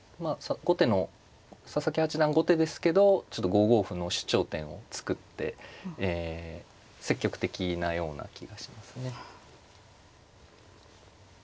後手の佐々木八段後手ですけどちょっと５五歩の主張点を作ってえ積極的なような気がしますね。